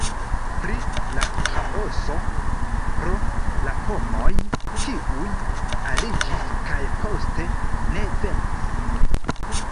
Pri la ĥaoso pro la homoj, kiuj aliĝis kaj poste ne venis.